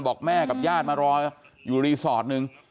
บอกแม่กับญาติมารออยู่รีสอร์ทหนึ่ง